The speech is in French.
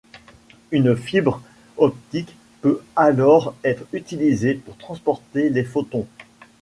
Une fibre optique peut alors être utilisée pour transporter les photons.